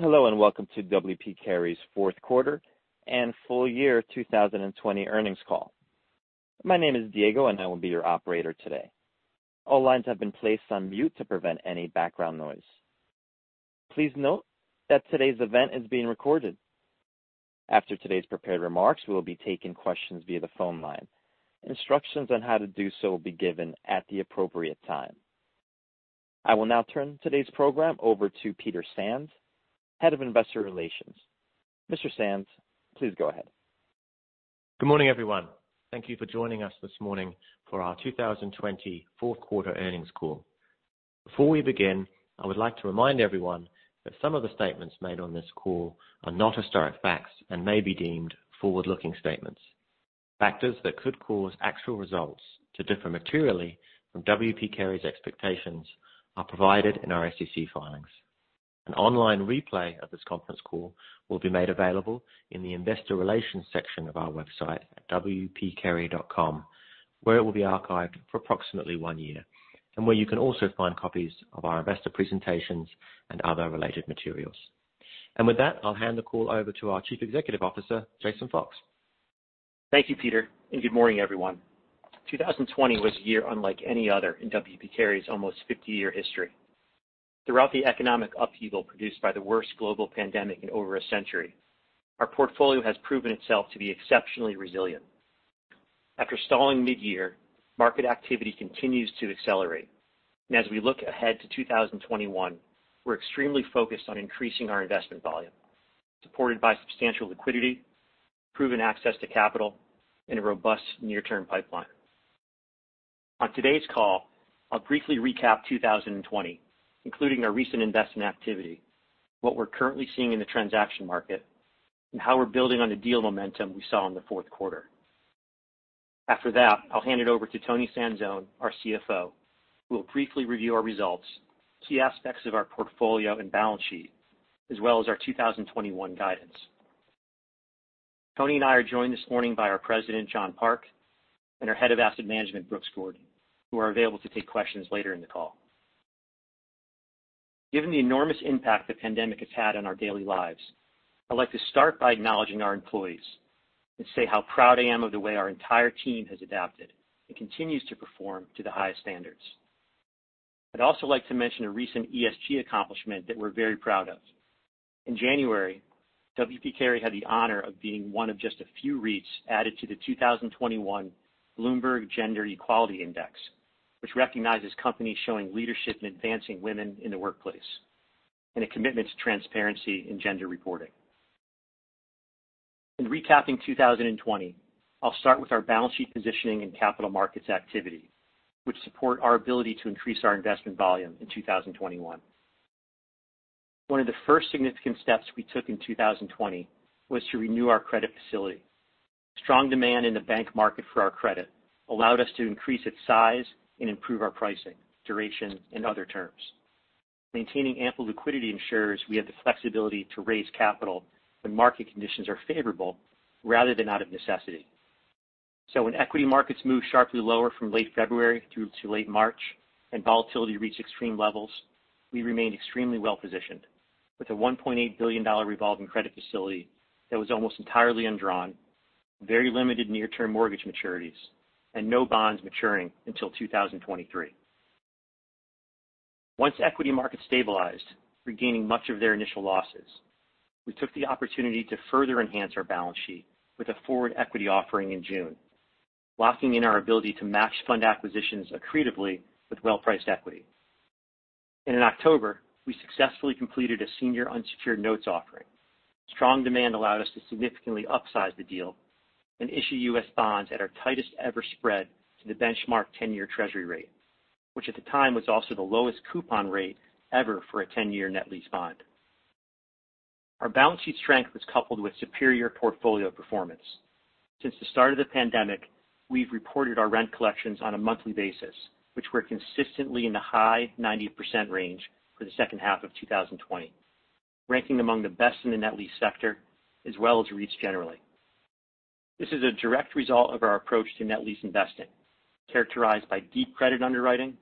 Hello, and welcome to W. P. Carey's fourth quarter and full year 2020 earnings call. My name is Diego, and I will be your operator today. All lines have been placed on mute to prevent any background noise. Please note that today's event is being recorded. After today's prepared remarks, we will be taking questions via the phone line. Instructions on how to do so will be given at the appropriate time. I will now turn today's program over to Peter Sands, Head of Investor Relations. Mr. Sands, please go ahead. Good morning, everyone. Thank you for joining us this morning for our 2020 fourth quarter earnings call. Before we begin, I would like to remind everyone that some of the statements made on this call are not historic facts and may be deemed forward-looking statements. Factors that could cause actual results to differ materially from W. P. Carey's expectations are provided in our SEC filings. An online replay of this conference call will be made available in the investor relations section of our website at wpcarey.com, where it will be archived for approximately one year, and where you can also find copies of our investor presentations and other related materials. With that, I'll hand the call over to our Chief Executive Officer, Jason Fox. Thank you, Peter, and good morning, everyone. 2020 was a year unlike any other in W. P. Carey's almost 50-year history. Throughout the economic upheaval produced by the worst global pandemic in over a century, our portfolio has proven itself to be exceptionally resilient. After stalling mid-year, market activity continues to accelerate. As we look ahead to 2021, we're extremely focused on increasing our investment volume, supported by substantial liquidity, proven access to capital, and a robust near-term pipeline. On today's call, I'll briefly recap 2020, including our recent investment activity, what we're currently seeing in the transaction market, and how we're building on the deal momentum we saw in the fourth quarter. After that, I'll hand it over to Toni Sanzone, our CFO, who will briefly review our results, key aspects of our portfolio and balance sheet, as well as our 2021 guidance. Toni and I are joined this morning by our President, John Park, and our Head of Asset Management, Brooks Gordon, who are available to take questions later in the call. Given the enormous impact the pandemic has had on our daily lives, I'd like to start by acknowledging our employees and say how proud I am of the way our entire team has adapted and continues to perform to the highest standards. I'd also like to mention a recent ESG accomplishment that we're very proud of. In January, W. P. Carey had the honor of being one of just a few REITs added to the 2021 Bloomberg Gender-Equality Index, which recognizes companies showing leadership in advancing women in the workplace and a commitment to transparency in gender reporting. In recapping 2020, I'll start with our balance sheet positioning and capital markets activity, which support our ability to increase our investment volume in 2021. One of the first significant steps we took in 2020 was to renew our credit facility. Strong demand in the bank market for our credit allowed us to increase its size and improve our pricing, duration, and other terms. Maintaining ample liquidity ensures we have the flexibility to raise capital when market conditions are favorable rather than out of necessity. When equity markets moved sharply lower from late February through to late March and volatility reached extreme levels, we remained extremely well positioned with a $1.8 billion revolving credit facility that was almost entirely undrawn, very limited near-term mortgage maturities, and no bonds maturing until 2023. Once equity markets stabilized, regaining much of their initial losses, we took the opportunity to further enhance our balance sheet with a forward equity offering in June, locking in our ability to match fund acquisitions accretively with well-priced equity. In October, we successfully completed a senior unsecured notes offering. Strong demand allowed us to significantly upsize the deal and issue U.S. bonds at our tightest ever spread to the benchmark 10-year Treasury rate, which at the time was also the lowest coupon rate ever for a 10-year net lease bond. Our balance sheet strength was coupled with superior portfolio performance. Since the start of the pandemic, we've reported our rent collections on a monthly basis, which were consistently in the high 90% range for the second half of 2020, ranking among the best in the net lease sector as well as REITs generally. This is a direct result of our approach to net lease investing, characterized by deep credit underwriting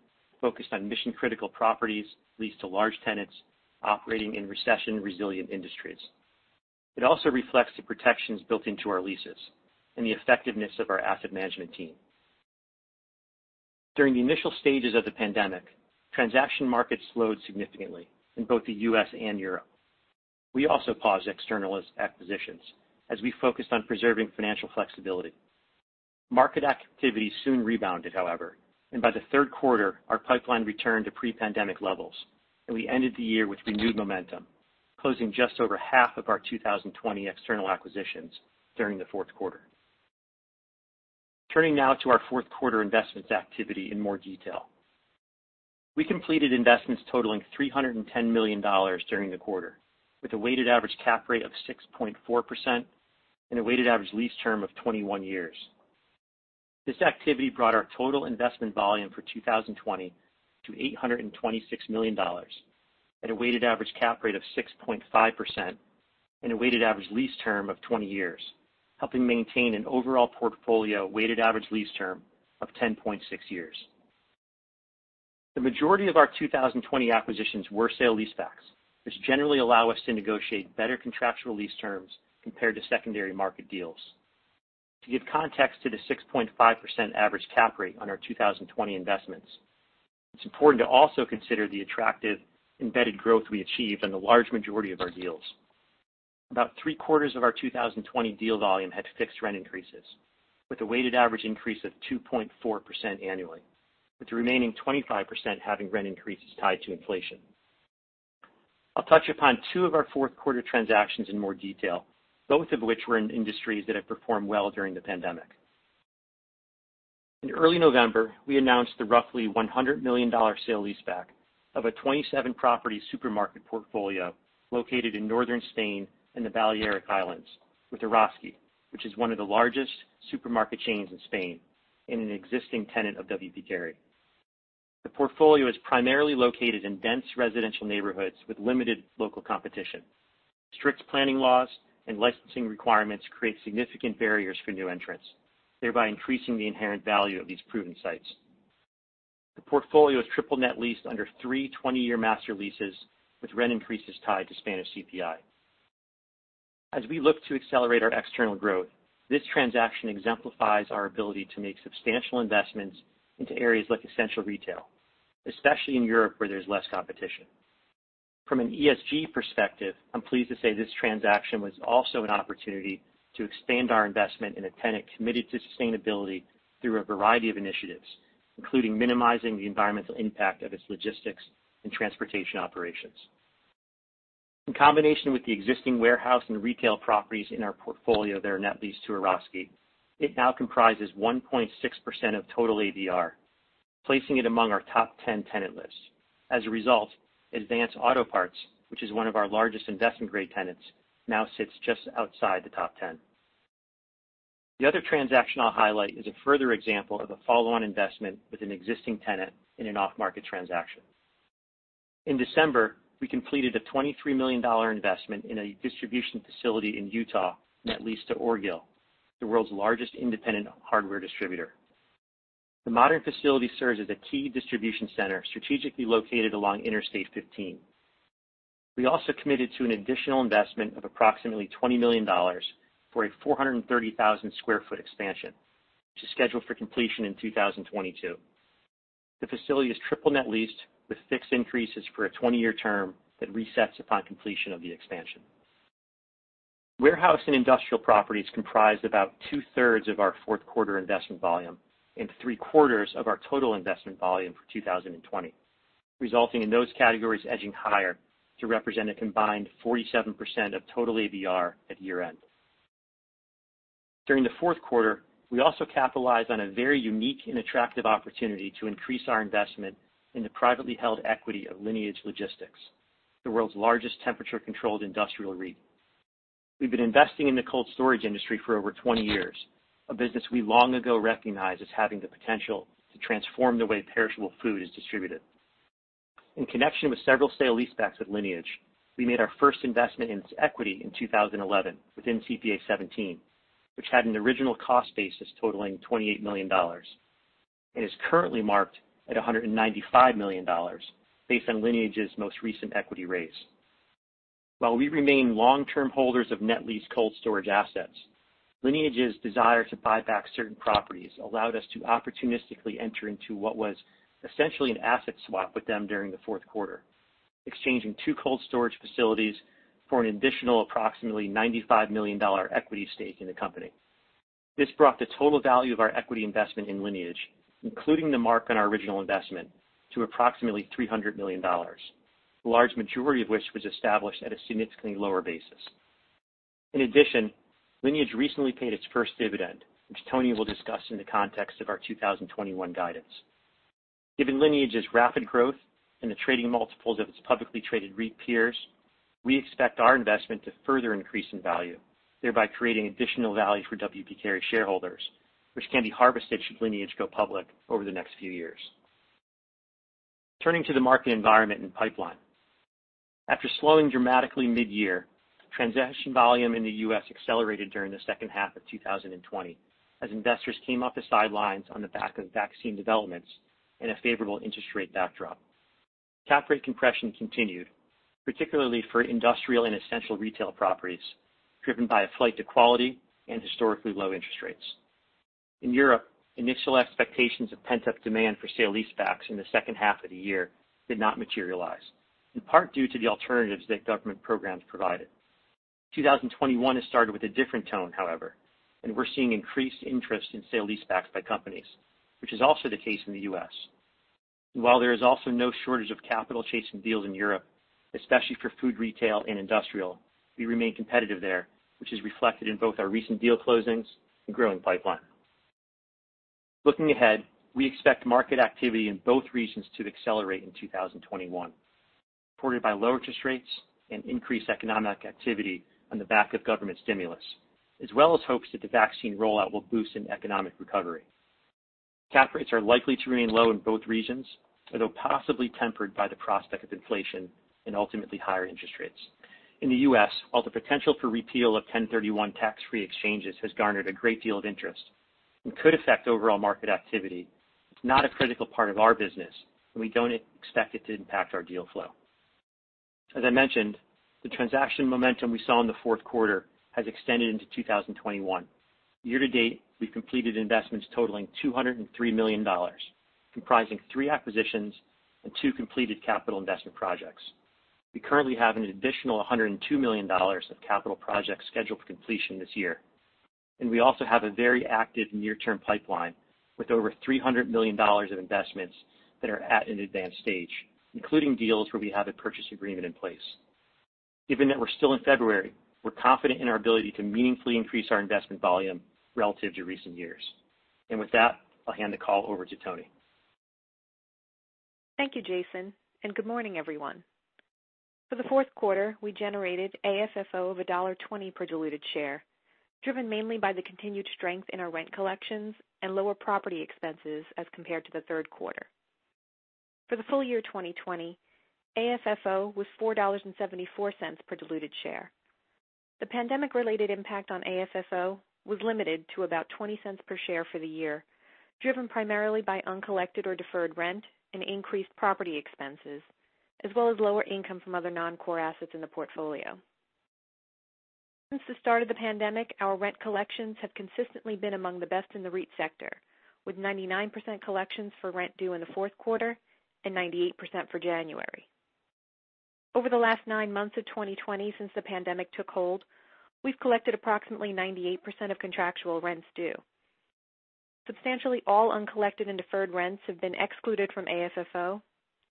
focused on mission-critical properties leased to large tenants operating in recession-resilient industries. It also reflects the protections built into our leases and the effectiveness of our asset management team. During the initial stages of the pandemic, transaction markets slowed significantly in both the U.S. and Europe. We also paused external acquisitions as we focused on preserving financial flexibility. Market activity soon rebounded, however, and by the third quarter, our pipeline returned to pre-pandemic levels, and we ended the year with renewed momentum, closing just over half of our 2020 external acquisitions during the fourth quarter. Turning now to our fourth quarter investments activity in more detail. We completed investments totaling $310 million during the quarter, with a weighted average cap rate of 6.4% and a weighted average lease term of 21 years. This activity brought our total investment volume for 2020 to $826 million at a weighted average cap rate of 6.5% and a weighted average lease term of 20 years, helping maintain an overall portfolio weighted average lease term of 10.6 years. The majority of our 2020 acquisitions were sale leasebacks, which generally allow us to negotiate better contractual lease terms compared to secondary market deals. To give context to the 6.5% average cap rate on our 2020 investments, it's important to also consider the attractive embedded growth we achieved in the large majority of our deals. About three-quarters of our 2020 deal volume had fixed rent increases with a weighted average increase of 2.4% annually, with the remaining 25% having rent increases tied to inflation. I'll touch upon two of our fourth quarter transactions in more detail, both of which were in industries that have performed well during the pandemic. In early November, we announced the roughly $100 million sale leaseback of a 27 property supermarket portfolio located in northern Spain and the Balearic Islands with Eroski, which is one of the largest supermarket chains in Spain and an existing tenant of W. P. Carey. The portfolio is primarily located in dense residential neighborhoods with limited local competition. Strict planning laws and licensing requirements create significant barriers for new entrants, thereby increasing the inherent value of these proven sites. The portfolio is triple net leased under three 20-year master leases with rent increases tied to Spanish CPI. As we look to accelerate our external growth, this transaction exemplifies our ability to make substantial investments into areas like essential retail, especially in Europe where there's less competition. From an ESG perspective, I'm pleased to say this transaction was also an opportunity to expand our investment in a tenant committed to sustainability through a variety of initiatives, including minimizing the environmental impact of its logistics and transportation operations. In combination with the existing warehouse and retail properties in our portfolio that are net leased to Eroski, it now comprises 1.6% of total ADR, placing it among our top 10 tenant lists. As a result, Advance Auto Parts, which is one of our largest investment-grade tenants, now sits just outside the top 10. The other transaction I'll highlight is a further example of a follow-on investment with an existing tenant in an off-market transaction. In December, we completed a $23 million investment in a distribution facility in Utah net leased to Orgill, the world's largest independent hardware distributor. The modern facility serves as a key distribution center strategically located along Interstate 15. We also committed to an additional investment of approximately $20 million for a 430,000 sq ft expansion, which is scheduled for completion in 2022. The facility is triple net leased with fixed increases for a 20-year term that resets upon completion of the expansion. Warehouse and industrial properties comprised about two-thirds of our fourth quarter investment volume and three-quarters of our total investment volume for 2020, resulting in those categories edging higher to represent a combined 47% of total ADR at year-end. During the fourth quarter, we also capitalized on a very unique and attractive opportunity to increase our investment in the privately held equity of Lineage Logistics, the world's largest temperature-controlled industrial REIT. We've been investing in the cold storage industry for over 20 years, a business we long ago recognized as having the potential to transform the way perishable food is distributed. In connection with several sale leasebacks with Lineage, we made our first investment in its equity in 2011 within CPA:17, which had an original cost basis totaling $28 million and is currently marked at $195 million based on Lineage's most recent equity raise. While we remain long-term holders of net leased cold storage assets, Lineage's desire to buy back certain properties allowed us to opportunistically enter into what was essentially an asset swap with them during the fourth quarter, exchanging two cold storage facilities for an additional approximately $95 million equity stake in the company. This brought the total value of our equity investment in Lineage, including the mark on our original investment, to approximately $300 million, the large majority of which was established at a significantly lower basis. In addition, Lineage recently paid its first dividend, which Tony will discuss in the context of our 2021 guidance. Given Lineage's rapid growth and the trading multiples of its publicly traded REIT peers, we expect our investment to further increase in value, thereby creating additional value for W. P. Carey shareholders, which can be harvested should Lineage go public over the next few years. Turning to the market environment and pipeline. After slowing dramatically mid-year, transaction volume in the U.S. accelerated during the second half of 2020 as investors came off the sidelines on the back of vaccine developments and a favorable interest rate backdrop. Cap rate compression continued, particularly for industrial and essential retail properties, driven by a flight to quality and historically low interest rates. In Europe, initial expectations of pent-up demand for sale leasebacks in the second half of the year did not materialize, in part due to the alternatives that government programs provided. 2021 has started with a different tone, however. We're seeing increased interest in sale leasebacks by companies, which is also the case in the U.S. While there is also no shortage of capital chasing deals in Europe, especially for food retail and industrial, we remain competitive there, which is reflected in both our recent deal closings and growing pipeline. Looking ahead, we expect market activity in both regions to accelerate in 2021, supported by low interest rates and increased economic activity on the back of government stimulus, as well as hopes that the vaccine rollout will boost an economic recovery. Cap rates are likely to remain low in both regions, although possibly tempered by the prospect of inflation and ultimately higher interest rates. In the U.S., while the potential for repeal of 1031 tax-free exchanges has garnered a great deal of interest and could affect overall market activity, it's not a critical part of our business, and we don't expect it to impact our deal flow. As I mentioned, the transaction momentum we saw in the fourth quarter has extended into 2021. Year to date, we've completed investments totaling $203 million, comprising three acquisitions and two completed capital investment projects. We currently have an additional $102 million of capital projects scheduled for completion this year, and we also have a very active near-term pipeline with over $300 million of investments that are at an advanced stage, including deals where we have a purchase agreement in place. Given that we're still in February, we're confident in our ability to meaningfully increase our investment volume relative to recent years. With that, I'll hand the call over to Toni. Thank you, Jason, and good morning, everyone. For the fourth quarter, we generated AFFO of $1.20 per diluted share, driven mainly by the continued strength in our rent collections and lower property expenses as compared to the third quarter. For the full- year 2020, AFFO was $4.74 per diluted share. The pandemic-related impact on AFFO was limited to about $0.20 per share for the year, driven primarily by uncollected or deferred rent and increased property expenses, as well as lower income from other non-core assets in the portfolio. Since the start of the pandemic, our rent collections have consistently been among the best in the REIT sector, with 99% collections for rent due in the fourth quarter and 98% for January. Over the last nine months of 2020, since the pandemic took hold, we've collected approximately 98% of contractual rents due. Substantially all uncollected and deferred rents have been excluded from AFFO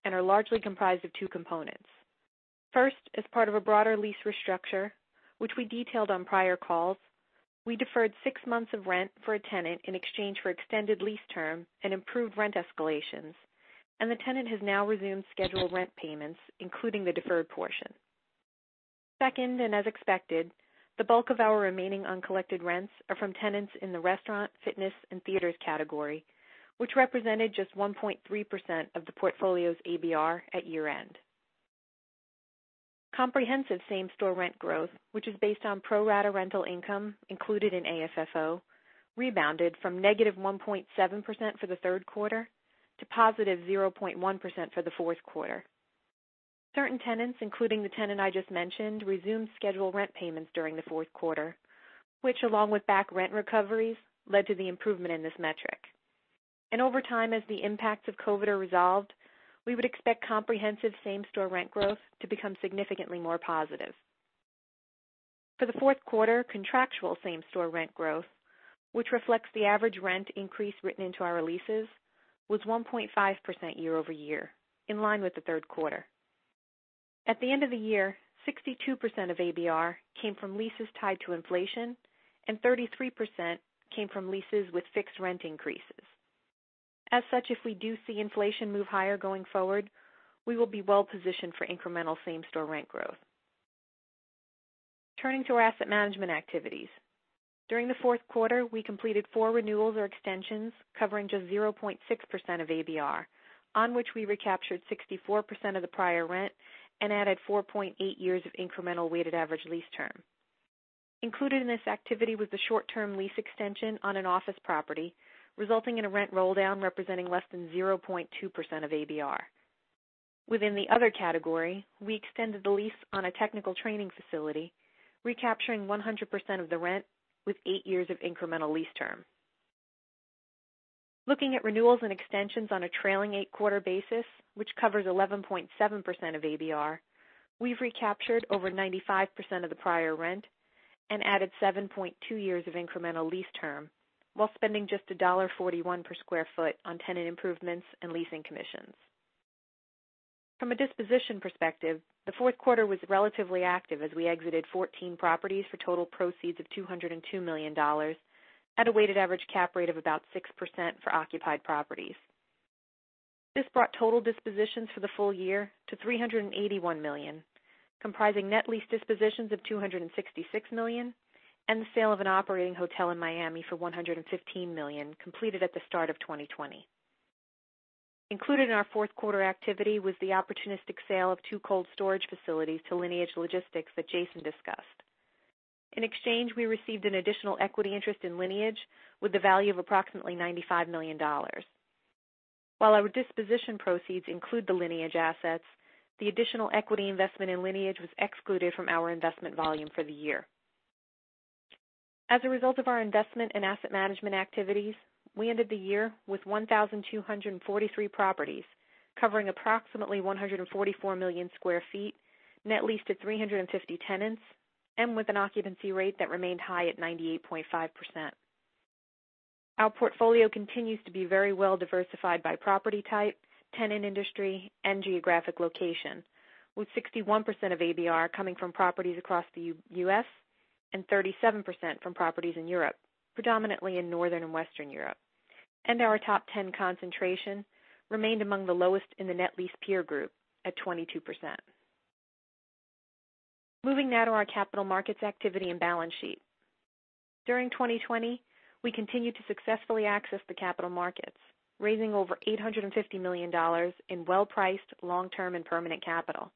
and are largely comprised of two components. First, as part of a broader lease restructure, which we detailed on prior calls, we deferred six months of rent for a tenant in exchange for extended lease term and improved rent escalations, and the tenant has now resumed scheduled rent payments, including the deferred portion. Second, as expected, the bulk of our remaining uncollected rents are from tenants in the restaurant, fitness, and theaters category, which represented just 1.3% of the portfolio's ABR at year-end. Comprehensive same-store rent growth, which is based on pro-rata rental income included in AFFO, rebounded from -1.7% for the third quarter to positive 0.1% for the fourth quarter. Certain tenants, including the tenant I just mentioned, resumed scheduled rent payments during the fourth quarter, which, along with back rent recoveries, led to the improvement in this metric. Over time, as the impacts of COVID are resolved, we would expect comprehensive same-store rent growth to become significantly more positive. For the fourth quarter, contractual same-store rent growth, which reflects the average rent increase written into our leases, was 1.5% year-over-year, in line with the third quarter. At the end of the year, 62% of ABR came from leases tied to inflation and 33% came from leases with fixed rent increases. As such, if we do see inflation move higher going forward, we will be well positioned for incremental same-store rent growth. Turning to our asset management activities. During the fourth quarter, we completed four renewals or extensions covering just 0.6% of ABR, on which we recaptured 64% of the prior rent and added 4.8 years of incremental weighted average lease term. Included in this activity was the short-term lease extension on an office property, resulting in a rent rolldown representing less than 0.2% of ABR. Within the other category, we extended the lease on a technical training facility, recapturing 100% of the rent with eight years of incremental lease term. Looking at renewals and extensions on a trailing eight-quarter basis, which covers 11.7% of ABR, we've recaptured over 95% of the prior rent and added 7.2 years of incremental lease term while spending just $1.41 per square foot on tenant improvements and leasing commissions. From a disposition perspective, the fourth quarter was relatively active as we exited 14 properties for total proceeds of $202 million at a weighted average cap rate of about 6% for occupied properties. This brought total dispositions for the full- year to $381 million, comprising net lease dispositions of $266 million and the sale of an operating hotel in Miami for $115 million, completed at the start of 2020. Included in our fourth quarter activity was the opportunistic sale of two cold storage facilities to Lineage Logistics that Jason discussed. In exchange, we received an additional equity interest in Lineage with a value of approximately $95 million. While our disposition proceeds include the Lineage assets, the additional equity investment in Lineage was excluded from our investment volume for the year. As a result of our investment in asset management activities, we ended the year with 1,243 properties covering approximately 144 million square feet, net leased to 350 tenants, and with an occupancy rate that remained high at 98.5%. Our portfolio continues to be very well diversified by property type, tenant industry, and geographic location, with 61% of ABR coming from properties across the U.S. and 37% from properties in Europe, predominantly in Northern and Western Europe. Our top 10 concentration remained among the lowest in the net lease peer group at 22%. Moving now to our capital markets activity and balance sheet. During 2020, we continued to successfully access the capital markets, raising over $850 million in well-priced long-term and permanent capital.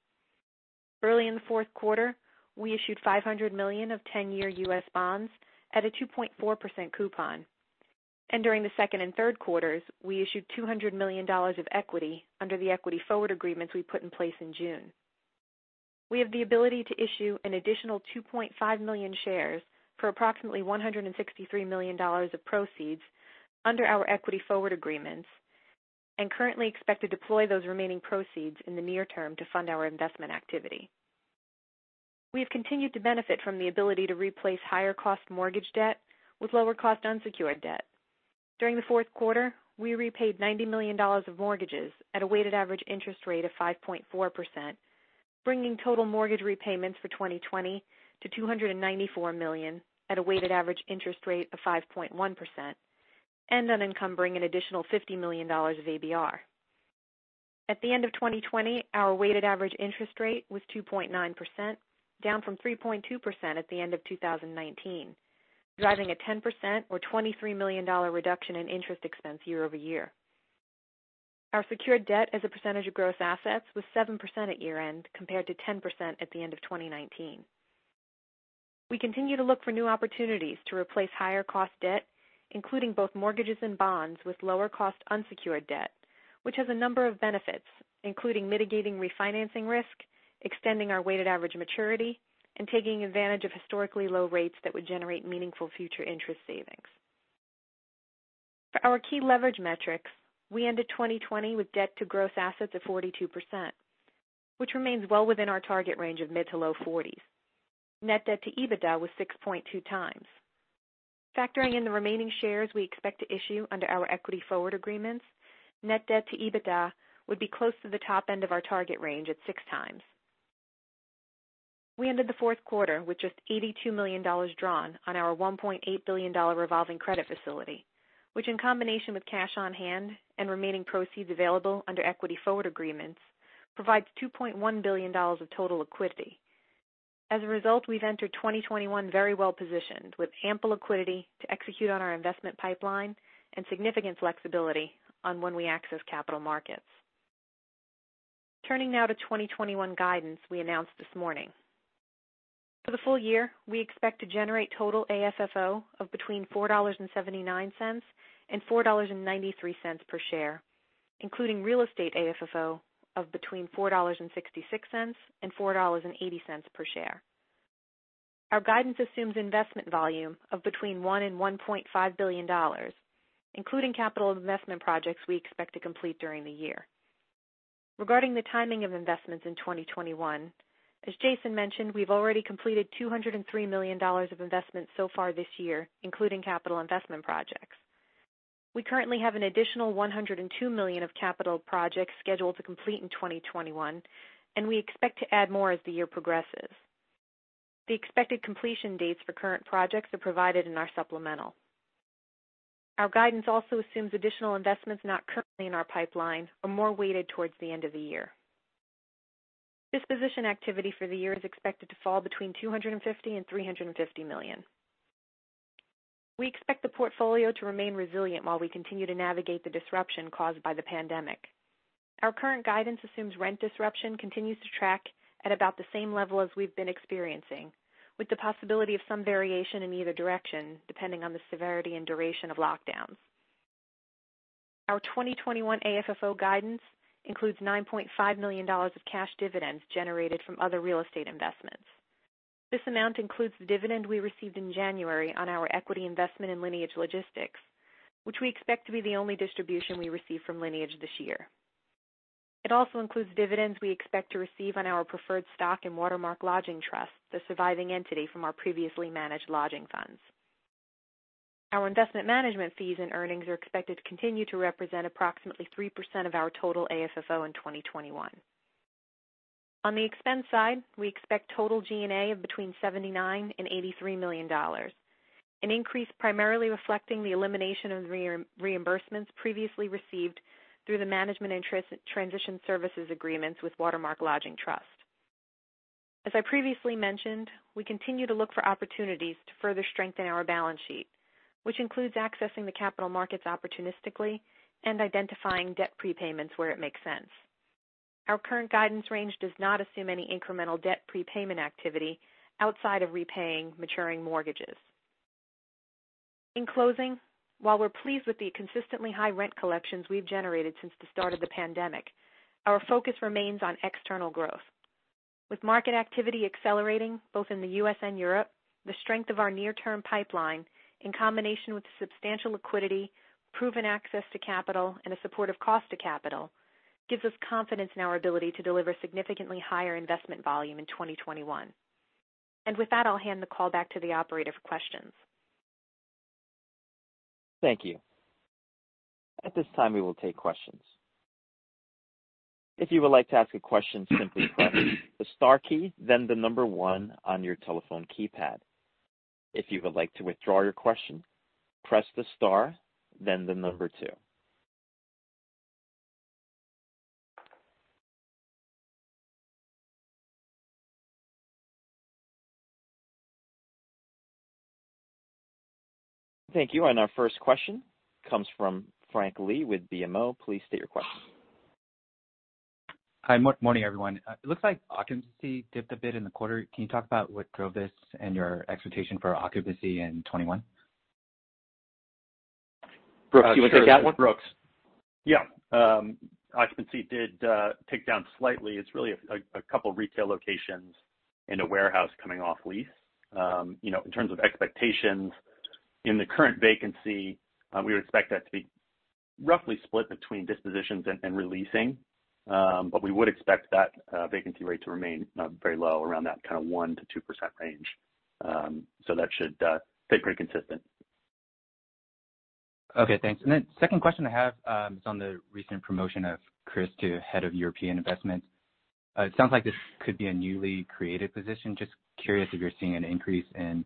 Early in the fourth quarter, we issued $500 million of 10-year U.S. bonds at a 2.4% coupon. During the second and third quarters, we issued $200 million of equity under the equity forward agreements we put in place in June. We have the ability to issue an additional 2.5 million shares for approximately $163 million of proceeds under our equity forward agreements, and currently expect to deploy those remaining proceeds in the near- term to fund our investment activity. We have continued to benefit from the ability to replace higher cost mortgage debt with lower cost unsecured debt. During the fourth quarter, we repaid $90 million of mortgages at a weighted average interest rate of 5.4%, bringing total mortgage repayments for 2020 to $294 million at a weighted average interest rate of 5.1%, and unencumbering an additional $50 million of ABR. At the end of 2020, our weighted average interest rate was 2.9%, down from 3.2% at the end of 2019, driving a 10% or $23 million reduction in interest expense year-over-year. Our secured debt as a percentage of gross assets was 7% at year-end, compared to 10% at the end of 2019. We continue to look for new opportunities to replace higher cost debt, including both mortgages and bonds, with lower cost unsecured debt, which has a number of benefits, including mitigating refinancing risk, extending our weighted average maturity, and taking advantage of historically low rates that would generate meaningful future interest savings. For our key leverage metrics, we ended 2020 with debt to gross assets of 42%, which remains well within our target range of mid to low 40s. Net debt to EBITDA was 6.2 times. Factoring in the remaining shares we expect to issue under our equity forward agreements, net debt to EBITDA would be close to the top end of our target range at six times. We ended the fourth quarter with just $82 million drawn on our $1.8 billion revolving credit facility, which, in combination with cash on hand and remaining proceeds available under equity forward agreements, provides $2.1 billion of total liquidity. As a result, we've entered 2021 very well positioned, with ample liquidity to execute on our investment pipeline and significant flexibility on when we access capital markets. Turning now to 2021 guidance we announced this morning. For the full- year, we expect to generate total AFFO of between $4.79 and $4.93 per share, including real estate AFFO of between $4.66 and $4.80 per share. Our guidance assumes investment volume of between $1 billion and $1.5 billion, including capital investment projects we expect to complete during the year. Regarding the timing of investments in 2021, as Jason mentioned, we've already completed $203 million of investments so far this year, including capital investment projects. We currently have an additional $102 million of capital projects scheduled to complete in 2021, and we expect to add more as the year progresses. The expected completion dates for current projects are provided in our supplemental. Our guidance also assumes additional investments not currently in our pipeline are more weighted towards the end of the year. Disposition activity for the year is expected to fall between $250 million and $350 million. We expect the portfolio to remain resilient while we continue to navigate the disruption caused by the pandemic. Our current guidance assumes rent disruption continues to track at about the same level as we've been experiencing, with the possibility of some variation in either direction, depending on the severity and duration of lockdowns. Our 2021 AFFO guidance includes $9.5 million of cash dividends generated from other real estate investments. This amount includes the dividend we received in January on our equity investment in Lineage Logistics, which we expect to be the only distribution we receive from Lineage this year. It also includes dividends we expect to receive on our preferred stock in Watermark Lodging Trust, the surviving entity from our previously managed lodging funds. Our investment management fees and earnings are expected to continue to represent approximately 3% of our total AFFO in 2021. On the expense side, we expect total G&A of between 79 and $83 million, an increase primarily reflecting the elimination of reimbursements previously received through the management and transition services agreements with Watermark Lodging Trust. As I previously mentioned, we continue to look for opportunities to further strengthen our balance sheet, which includes accessing the capital markets opportunistically and identifying debt prepayments where it makes sense. Our current guidance range does not assume any incremental debt prepayment activity outside of repaying maturing mortgages. In closing, while we're pleased with the consistently high rent collections we've generated since the start of the pandemic, our focus remains on external growth. With market activity accelerating both in the U.S. and Europe, the strength of our near-term pipeline, in combination with substantial liquidity, proven access to capital, and a supportive cost to capital, gives us confidence in our ability to deliver significantly higher investment volume in 2021. With that, I'll hand the call back to the operator for questions. Thank you. Our first question comes from Frank Lee with BMO. Please state your question. Hi. Morning, everyone. It looks like occupancy dipped a bit in the quarter. Can you talk about what drove this and your expectation for occupancy in 2021? Brooks, do you want to take that one? Sure. Brooks. Yeah. Occupancy did tick down slightly. It's really a couple retail locations and a warehouse coming off lease. In terms of expectations, in the current vacancy, we would expect that to be roughly split between dispositions and releasing. We would expect that vacancy rate to remain very low, around that kind of 1%-2% range. That should stay pretty consistent. Okay, thanks. Second question I have is on the recent promotion of Chris to Head of European Investments. It sounds like this could be a newly created position. Just curious if you're seeing an increase in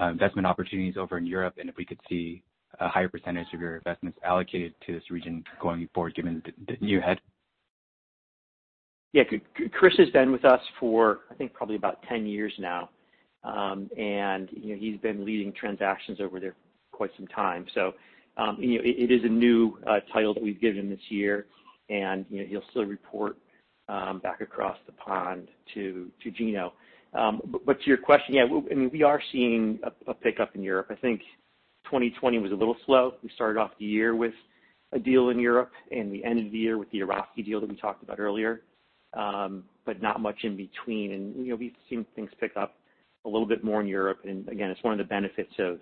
investment opportunities over in Europe, and if we could see a higher percentage of your investments allocated to this region going forward given the new head. Yeah. Chris has been with us for, I think probably about 10 years now. He's been leading transactions over there quite some time. It is a new title that we've given him this year. He'll still report back across the pond to Gino. To your question, yeah, we are seeing a pickup in Europe. I think 2020 was a little slow. We started off the year with a deal in Europe and we ended the year with the Eroski deal that we talked about earlier. Not much in between. We've seen things pick up a little bit more in Europe. Again, it's one of the benefits of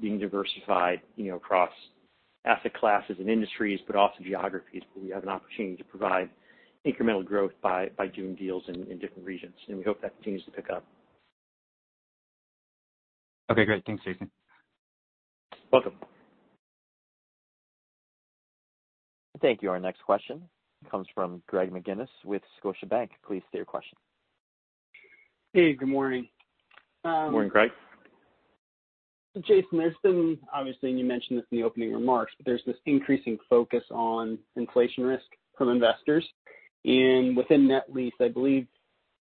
being diversified across asset classes and industries, but also geographies where we have an opportunity to provide incremental growth by doing deals in different regions. We hope that continues to pick up. Okay, great. Thanks, Jason. Welcome. Thank you. Our next question comes from Greg McGinniss with Scotiabank. Please state your question. Hey, good morning. Morning, Greg. Jason, there's been, obviously, and you mentioned this in the opening remarks, but there's this increasing focus on inflation risk from investors. Within net lease, I believe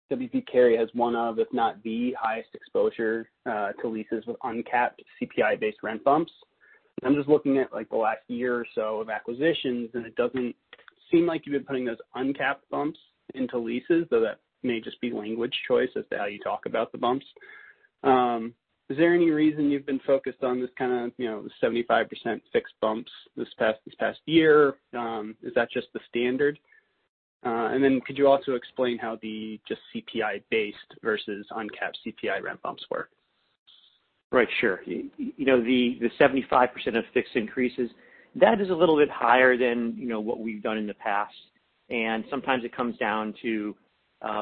W. P. Carey has one of, if not the highest exposure to leases with uncapped CPI-based rent bumps. I'm just looking at the last year or so of acquisitions, and it doesn't seem like you've been putting those uncapped bumps into leases, though that may just be language choice as to how you talk about the bumps. Is there any reason you've been focused on this kind of 75% fixed bumps this past year? Is that just the standard? Could you also explain how the just CPI-based versus uncapped CPI rent bumps work? Right. Sure. The 75% of fixed increases, that is a little bit higher than what we've done in the past, and sometimes it comes down to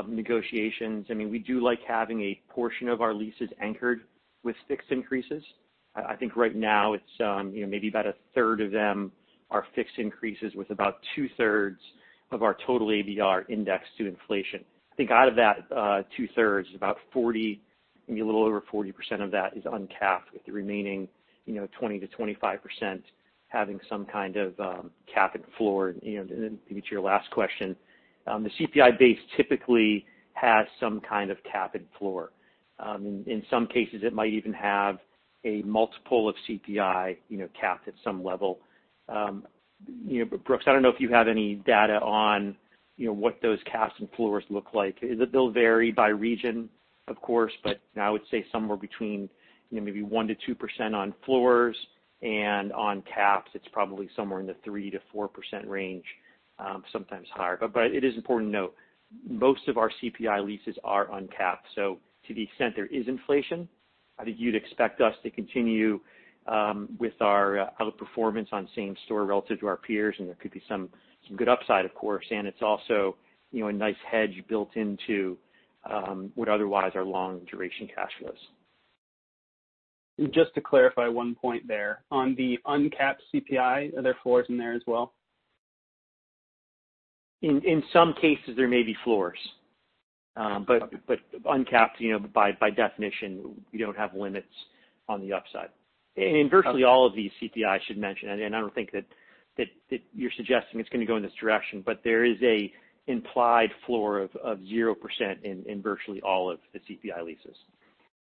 negotiations. We do like having a portion of our leases anchored with fixed increases. I think right now it's maybe about a third of them are fixed increases with about two-thirds of our total ABR indexed to inflation. I think out of that two-thirds, about 40, maybe a little over 40% of that is uncapped, with the remaining 20%-25% having some kind of cap and floor. Then maybe to your last question, the CPI base typically has some kind of cap and floor. In some cases, it might even have a multiple of CPI capped at some level. Brooks, I don't know if you have any data on what those caps and floors look like. They'll vary by region, of course, but I would say somewhere between maybe 1%-2% on floors, and on caps, it's probably somewhere in the 3%-4% range, sometimes higher. It is important to note, most of our CPI leases are uncapped. To the extent there is inflation, I think you'd expect us to continue with our outperformance on same store relative to our peers, and there could be some good upside, of course. It's also a nice hedge built into what otherwise are long-duration cash flows. Just to clarify one point there. On the uncapped CPI, are there floors in there as well? In some cases, there may be floors. Uncapped, by definition, you don't have limits on the upside. In virtually all of these CPIs, I should mention, and I don't think that you're suggesting it's going to go in this direction, but there is an implied floor of 0% in virtually all of the CPI leases.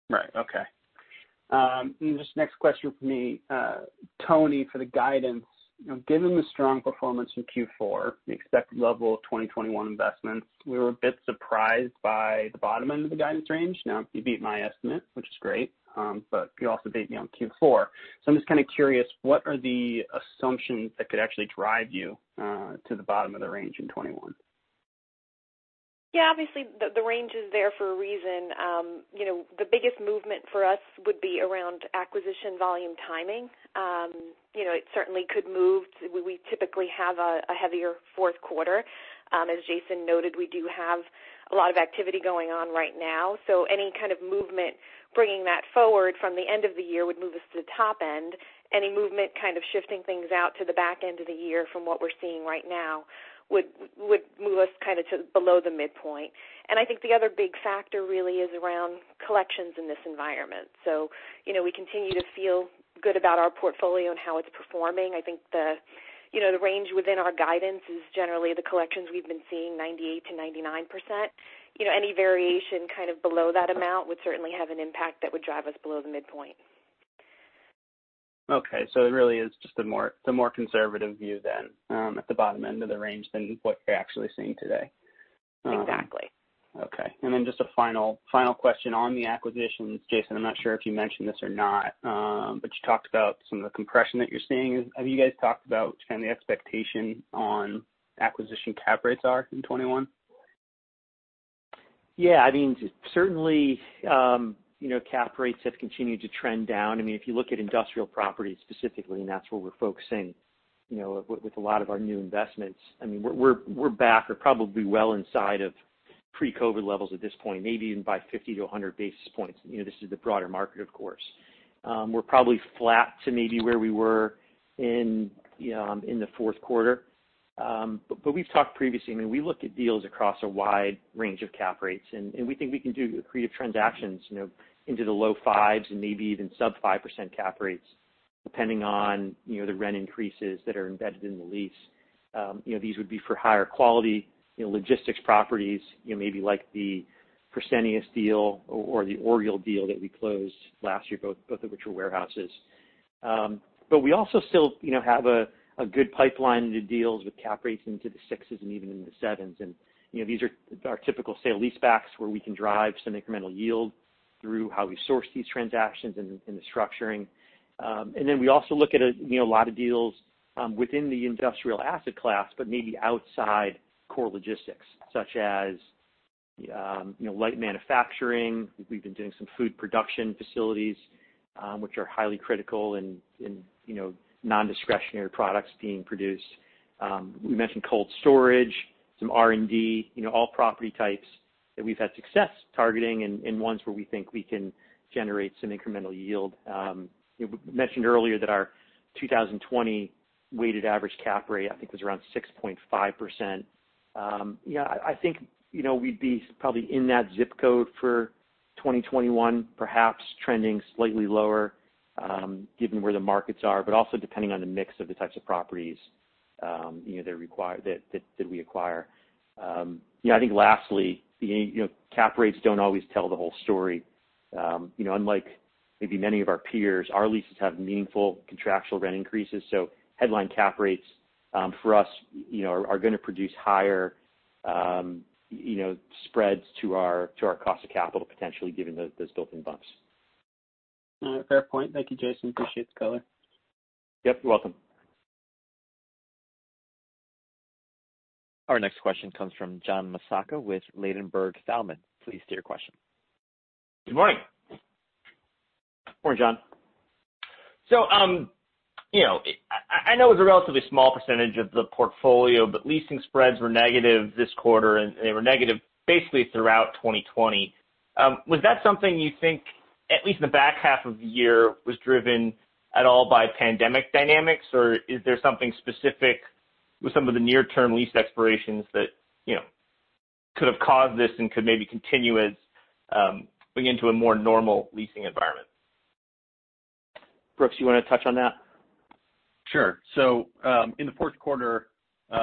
Right. Okay. Just next question from me. Toni, for the guidance, given the strong performance in Q4, the expected level of 2021 investments, we were a bit surprised by the bottom end of the guidance range. Now, you beat my estimate, which is great, but you also beat me on Q4. I'm just kind of curious, what are the assumptions that could actually drive you to the bottom of the range in 2021? Yeah. Obviously, the range is there for a reason. The biggest movement for us would be around acquisition volume timing. It certainly could move. We typically have a heavier fourth quarter. As Jason noted, we do have a lot of activity going on right now. Any kind of movement bringing that forward from the end of the year would move us to the top end. Any movement kind of shifting things out to the back end of the year from what we're seeing right now would move us kind of to below the midpoint. I think the other big factor really is around collections in this environment. We continue to feel good about our portfolio and how it's performing. I think the range within our guidance is generally the collections we've been seeing, 98%-99%. Any variation kind of below that amount would certainly have an impact that would drive us below the midpoint. It really is just the more conservative view then at the bottom end of the range than what you're actually seeing today. Exactly. Okay. Just a final question on the acquisitions. Jason, I'm not sure if you mentioned this or not, but you talked about some of the compression that you're seeing. Have you guys talked about what the expectation on acquisition cap rates are in 2021? Yeah. Certainly, cap rates have continued to trend down. If you look at industrial properties specifically, and that's where we're focusing with a lot of our new investments. We're back or probably well inside of pre-COVID levels at this point, maybe even by 50 to 100 basis points. This is the broader market, of course. We're probably flat to maybe where we were in the fourth quarter. We've talked previously. We look at deals across a wide range of cap rates, and we think we can do creative transactions into the low fives and maybe even sub 5% cap rates depending on the rent increases that are embedded in the lease. These would be for higher quality logistics properties maybe like the Fresenius deal or the Orgill deal that we closed last year, both of which were warehouses. We also still have a good pipeline into deals with cap rates into the 6s and even into 7s. These are our typical sale leasebacks where we can drive some incremental yield through how we source these transactions and the structuring. We also look at a lot of deals within the industrial asset class, but maybe outside core logistics, such as light manufacturing. We've been doing some food production facilities, which are highly critical in non-discretionary products being produced. We mentioned cold storage, some R&D, all property types that we've had success targeting and ones where we think we can generate some incremental yield. We mentioned earlier that our 2020 weighted average cap rate, I think, was around 6.5%. I think we'd be probably in that zip code for 2021, perhaps trending slightly lower given where the markets are, but also depending on the mix of the types of properties that we acquire. I think lastly, cap rates don't always tell the whole story. Unlike maybe many of our peers, our leases have meaningful contractual rent increases. Headline cap rates for us are going to produce higher spreads to our cost of capital, potentially, given those built-in bumps. All right. Fair point. Thank you, Jason. Appreciate the color. Yep. You're welcome. Our next question comes from John Massocca with Ladenburg Thalmann. Please state your question. Good morning. Morning, John. I know it's a relatively small percentage of the portfolio, but leasing spreads were negative this quarter, and they were negative basically throughout 2020. Was that something you think, at least in the back half of the year, was driven at all by pandemic dynamics, or is there something specific with some of the near-term lease expirations that could have caused this and could maybe continue as we get into a more normal leasing environment? Brooks, you want to touch on that? In the fourth quarter, those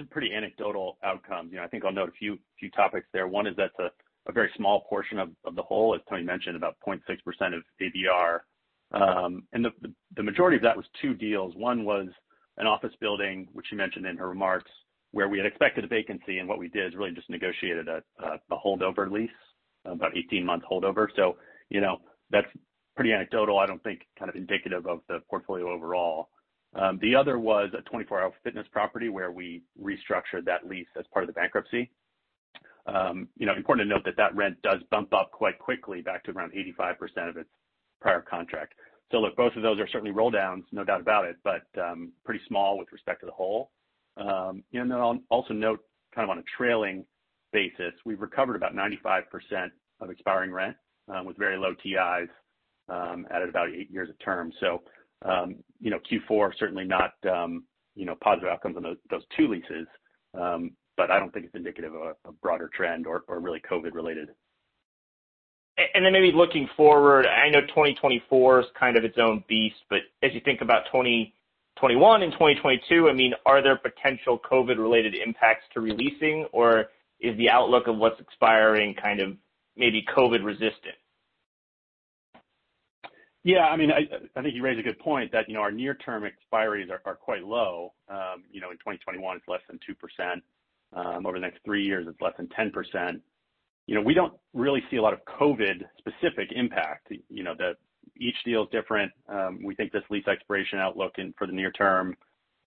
are pretty anecdotal outcomes. I think I'll note a few topics there. One is that's a very small portion of the whole. As Toni mentioned, about 0.6% of ABR. The majority of that was two deals. One was an office building, which she mentioned in her remarks, where we had expected a vacancy, and what we did is really just negotiated a holdover lease, about 18-month holdover. That's pretty anecdotal. I don't think kind of indicative of the portfolio overall. The other was a 24 Hour Fitness property where we restructured that lease as part of the bankruptcy. Important to note that that rent does bump up quite quickly back to around 85% of its prior contract. Look, both of those are certainly roll-downs, no doubt about it. Pretty small with respect to the whole. I'll also note kind of on a trailing basis, we've recovered about 95% of expiring rent with very low TIs added about eight years of term. Q4 certainly not positive outcomes on those two leases. I don't think it's indicative of a broader trend or really COVID related. Maybe looking forward, I know 2024 is kind of its own beast, but as you think about 2021 and 2022, are there potential COVID-related impacts to re-leasing, or is the outlook of what's expiring kind of maybe COVID resistant? Yeah, I think you raise a good point that our near-term expiries are quite low. In 2021 it's less than 2%. Over the next three years it's less than 10%. We don't really see a lot of COVID specific impact. Each deal is different. We think this lease expiration outlook for the near- term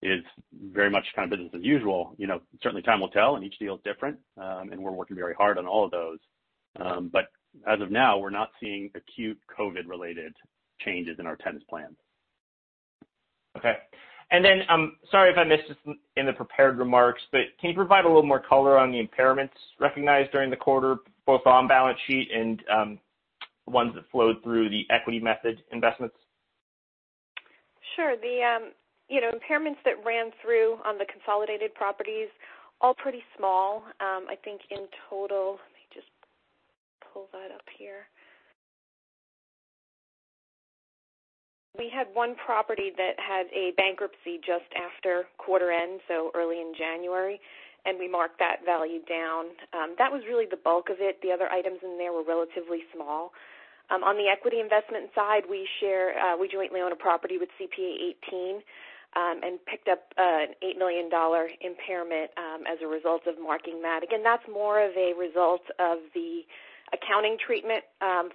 is very much kind of business as usual. Certainly time will tell, and each deal is different. And we're working very hard on all of those. But as of now, we're not seeing acute COVID-related changes in our tenant plans. Okay. Sorry if I missed this in the prepared remarks, can you provide a little more color on the impairments recognized during the quarter, both on balance sheet and ones that flowed through the equity method investments? Sure. The impairments that ran through on the consolidated properties, all pretty small. I think in total, let me just pull that up here. We had one property that had a bankruptcy just after quarter end, so early in January, and we marked that value down. That was really the bulk of it. The other items in there were relatively small. On the equity investment side, we jointly own a property with CPA:18 and picked up an $8 million impairment as a result of marking that. That's more of a result of the accounting treatment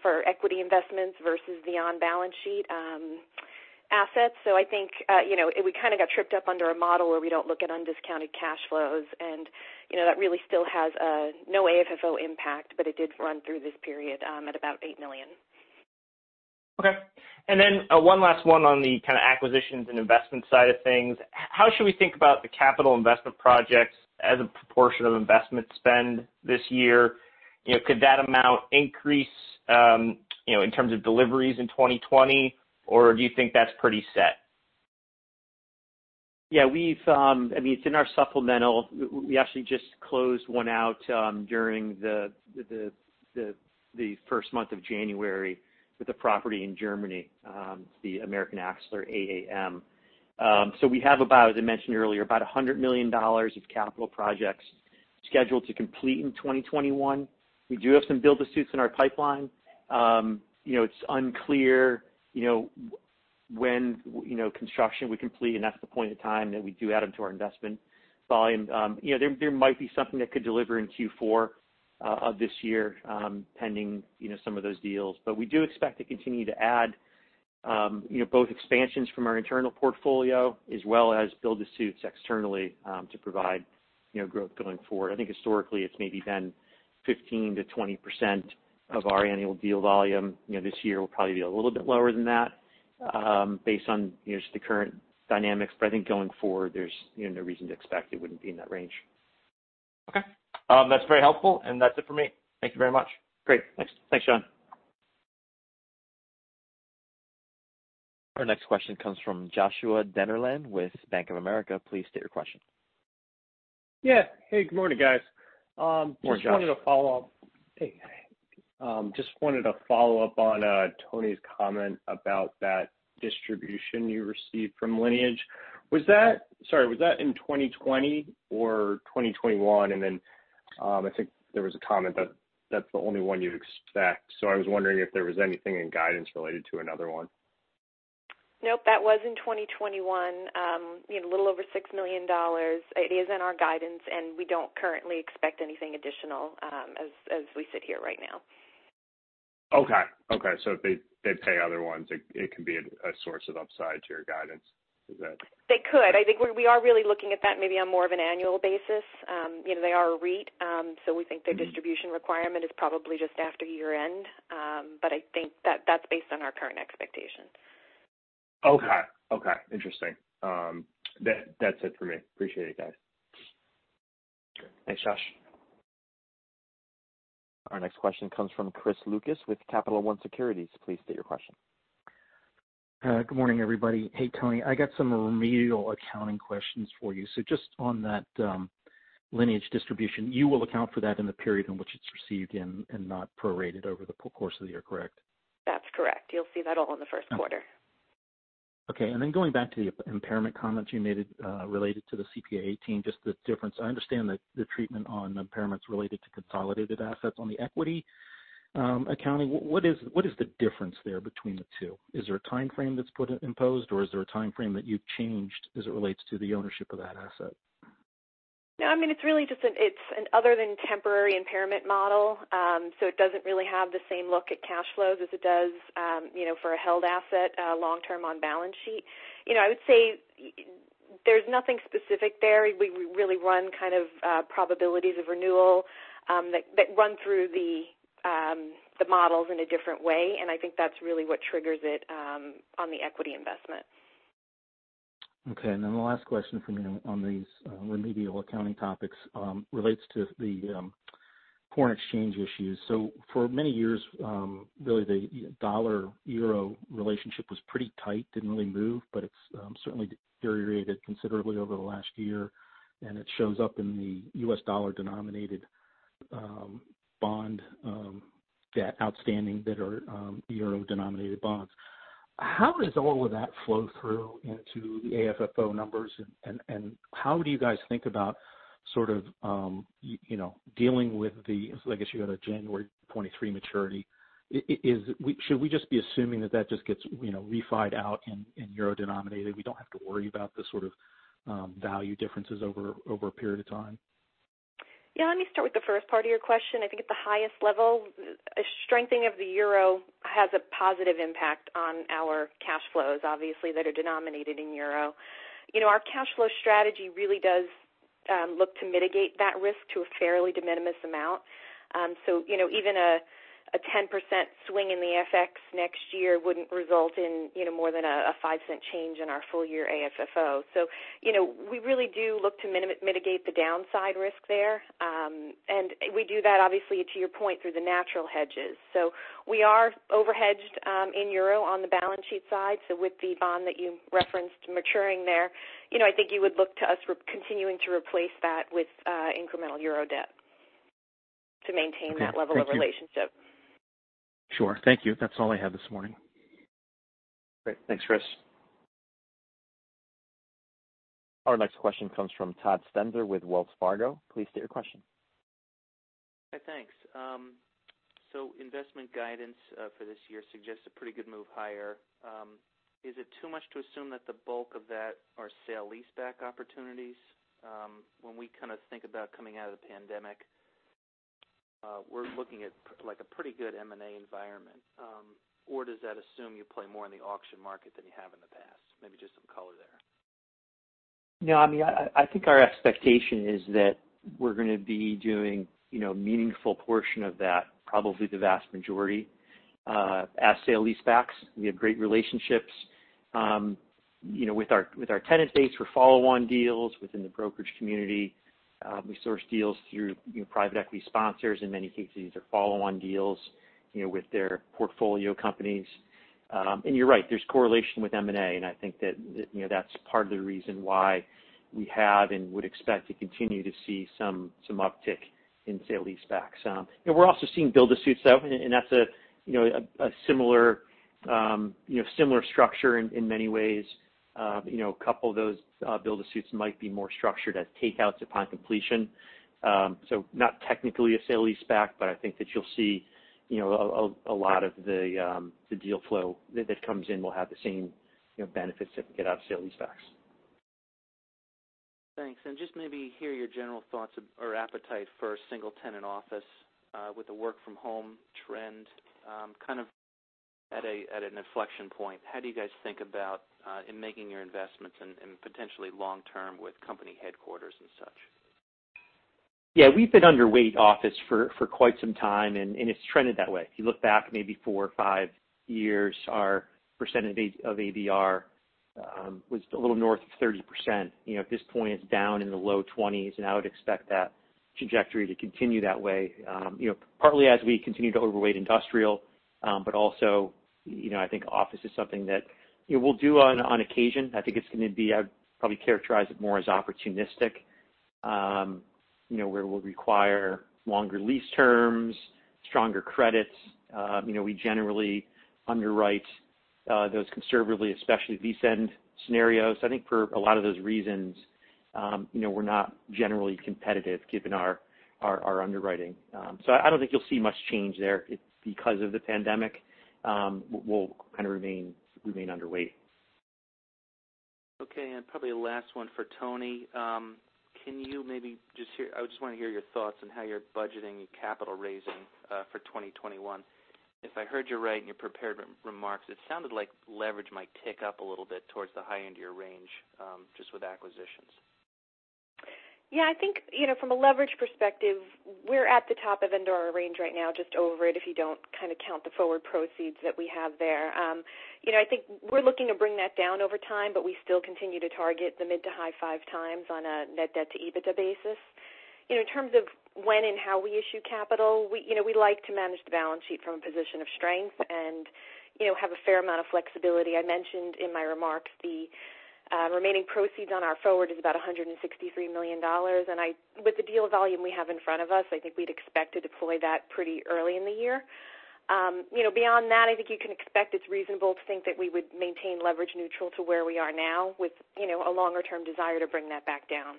for equity investments versus the on-balance sheet assets. I think we kind of got tripped up under a model where we don't look at undiscounted cash flows, and that really still has no AFFO impact, but it did run through this period at about $8 million. Okay. One last one on the kind of acquisitions and investment side of things, how should we think about the capital investment projects as a proportion of investment spend this year? Could that amount increase in terms of deliveries in 2020, or do you think that's pretty set? Yeah. It's in our supplemental. We actually just closed one out during the first month of January with a property in Germany, the American Axle, AAM. We have, as I mentioned earlier, about $100 million of capital projects scheduled to complete in 2021. We do have some build-to-suits in our pipeline. It's unclear when construction will complete, and that's the point in time that we do add them to our investment volume. There might be something that could deliver in Q4 of this year, pending some of those deals. We do expect to continue to add both expansions from our internal portfolio as well as build-to-suits externally to provide growth going forward. I think historically it's maybe been 15%-20% of our annual deal volume. This year will probably be a little bit lower than that based on just the current dynamics. I think going forward, there's no reason to expect it wouldn't be in that range. Okay. That's very helpful, and that's it for me. Thank you very much. Great. Thanks. Thanks, John. Our next question comes from Joshua Dennerlein with Bank of America. Please state your question. Yeah. Hey, good morning, guys. Morning, Josh. Just wanted to follow up. Hey. Just wanted to follow up on Toni's comment about that distribution you received from Lineage. Sorry, was that in 2020 or 2021? I think there was a comment that that's the only one you'd expect. I was wondering if there was anything in guidance related to another one. Nope, that was in 2021. A little over $6 million. It is in our guidance, and we don't currently expect anything additional as we sit here right now. Okay. If they pay other ones, it can be a source of upside to your guidance. Is that? They could. I think we are really looking at that maybe on more of an annual basis. They are a REIT. We think their distribution requirement is probably just after year-end. I think that's based on our current expectations. Okay. Interesting. That's it for me. Appreciate it, guys. Sure. Thanks, Josh. Our next question comes from Chris Lucas with Capital One Securities. Please state your question. Good morning, everybody. Hey, Tony. I got some remedial accounting questions for you. Just on that Lineage distribution, you will account for that in the period in which it's received and not prorated over the course of the year, correct? That's correct. You'll see that all in the first quarter. Okay. Then going back to the impairment comments you made related to the CPA:18. Just the difference. I understand the treatment on impairments related to consolidated assets on the equity accounting. What is the difference there between the two? Is there a timeframe that's imposed, or is there a timeframe that you've changed as it relates to the ownership of that asset? No. It's really just an other-than-temporary impairment model. It doesn't really have the same look at cash flows as it does for a held asset long-term on balance sheet. I would say there's nothing specific there. We really run kind of probabilities of renewal that run through the models in a different way. I think that's really what triggers it on the equity investment. Okay. The last question from me on these remedial accounting topics relates to the foreign exchange issues. For many years, really the dollar-euro relationship was pretty tight, didn't really move, but it's certainly deteriorated considerably over the last year, and it shows up in the U.S. dollar-denominated bond debt outstanding that are euro-denominated bonds. How does all of that flow through into the AFFO numbers, and how do you guys think about sort of dealing with I guess you got a January 23 maturity. Should we just be assuming that that just gets refied out in euro-denominated? We don't have to worry about the sort of value differences over a period of time. Yeah. Let me start with the first part of your question. I think at the highest level, a strengthening of the euro has a positive impact on our cash flows, obviously, that are denominated in euro. Our cash flow strategy really does look to mitigate that risk to a fairly de minimis amount. Even a 10% swing in the FX next year wouldn't result in more than a $0.05 change in our full-year AFFO. We really do look to mitigate the downside risk there. We do that, obviously, to your point, through the natural hedges. We are over-hedged in euro on the balance sheet side. With the bond that you referenced maturing there, I think you would look to us continuing to replace that with incremental euro debt to maintain that level of relationship. Sure. Thank you. That's all I had this morning. Great. Thanks, Chris. Our next question comes from Todd Stender with Wells Fargo. Please state your question. Hi, thanks. Investment guidance for this year suggests a pretty good move higher. Is it too much to assume that the bulk of that are sale leaseback opportunities? When we think about coming out of the pandemic, we're looking at a pretty good M&A environment. Does that assume you play more in the auction market than you have in the past? Maybe just some color there. No, I think our expectation is that we're going to be doing a meaningful portion of that, probably the vast majority, as sale leasebacks. We have great relationships with our tenant base for follow-on deals within the brokerage community. We source deals through private equity sponsors. In many cases, these are follow-on deals with their portfolio companies. You're right, there's correlation with M&A, and I think that's part of the reason why we have, and would expect to continue to see some uptick in sale leasebacks. We're also seeing build-to-suits, though, and that's a similar structure in many ways. A couple of those build-to-suits might be more structured as takeouts upon completion. Not technically a sale leaseback, but I think that you'll see a lot of the deal flow that comes in will have the same benefits that we get out of sale leasebacks. Thanks. Just maybe hear your general thoughts or appetite for a single-tenant office with the work-from-home trend kind of at an inflection point. How do you guys think about in making your investments and potentially long- term with company headquarters and such? Yeah, we've been underweight office for quite some time, and it's trended that way. If you look back maybe four or five years, our percentage of ADR was a little north of 30%. At this point, it's down in the low 20s, and I would expect that trajectory to continue that way. Partly as we continue to overweight industrial, but also, I think office is something that we'll do on occasion. I think I'd probably characterize it more as opportunistic, where we'll require longer lease terms, stronger credits. We generally underwrite those conservatively, especially lease-end scenarios. I think for a lot of those reasons we're not generally competitive given our underwriting. I don't think you'll see much change there. It's because of the pandemic. We'll kind of remain underweight. Okay. Probably the last one for Toni. I just want to hear your thoughts on how you're budgeting capital raising for 2021. If I heard you right in your prepared remarks, it sounded like leverage might tick up a little bit towards the high end of your range, just with acquisitions. Yeah, I think from a leverage perspective, we're at the top of end or our range right now, just over it, if you don't count the forward proceeds that we have there. I think we're looking to bring that down over time, we still continue to target the mid to high five times on a net debt to EBITDA basis. In terms of when and how we issue capital, we like to manage the balance sheet from a position of strength and have a fair amount of flexibility. I mentioned in my remarks the remaining proceeds on our forward is about $163 million. With the deal volume we have in front of us, I think we'd expect to deploy that pretty early in the year. Beyond that, I think you can expect it's reasonable to think that we would maintain leverage neutral to where we are now with a longer-term desire to bring that back down.